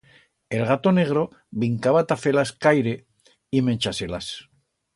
El gato negro brincaba ta fer-las caire y menchar-se-las.